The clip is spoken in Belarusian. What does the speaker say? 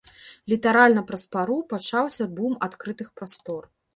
Літаральна праз пару пачаўся бум адкрытых прастор.